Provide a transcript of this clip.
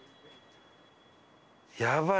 やばい！